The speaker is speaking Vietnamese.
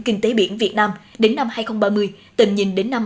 kinh tế biển việt nam đến năm hai nghìn ba mươi tầm nhìn đến năm hai nghìn bốn mươi